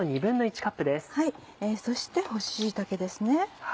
そして干し椎茸ですね。